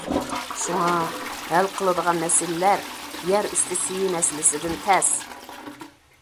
شۇڭا، ھەل قىلىدىغان مەسىلىلەر يەر ئۈستى سۈيى مەسىلىسىدىن تەس.